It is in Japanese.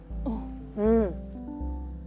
うん。